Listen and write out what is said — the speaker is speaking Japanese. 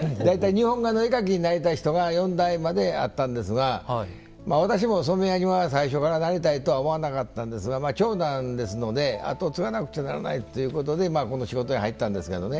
大体日本画の絵描きになりたい人が４代まであったんですが私も染屋には最初からなりたいと思わなかったんですが長男ですので跡を継がなくちゃならないということでこの仕事に入ったんですけどね。